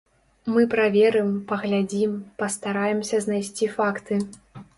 Мы праверым, паглядзім, пастараемся знайсці факты.